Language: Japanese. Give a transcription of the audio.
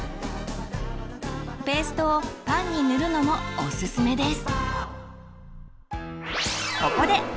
ペーストをパンに塗るのもオススメです。